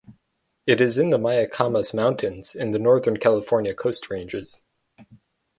It is in the Mayacamas Mountains in the northern California Coast Ranges.